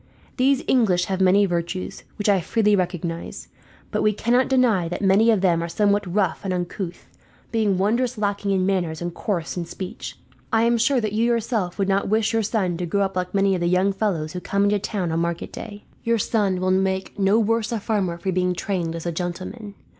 These English have many virtues, which I freely recognize; but we cannot deny that many of them are somewhat rough and uncouth, being wondrous lacking in manners and coarse in speech. I am sure that you yourself would not wish your son to grow up like many of the young fellows who come into town on market day. Your son will make no worse a farmer for being trained as a gentleman.